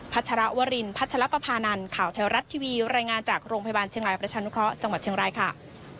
ชรวรินพัชรปภานันข่าวแถวรัฐทีวีรายงานจากโรงพยาบาลเชียงรายประชานุเคราะห์จังหวัดเชียงรายค่ะ